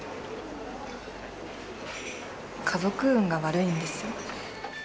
家族運が悪いんですよ。